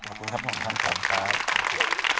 ขอบคุณครับขอบคุณครับ